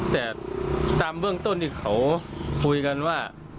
แต่ตามเบื้องต้นที่เขาคุยกันว่า